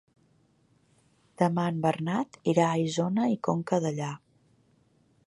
Demà en Bernat irà a Isona i Conca Dellà.